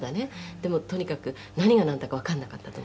「でもとにかく何がなんだかわかんなかったと思う」